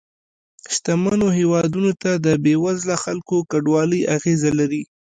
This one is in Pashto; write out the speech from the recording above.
شتمنو هېوادونو ته د بې وزله خلکو کډوالۍ اغیزه لري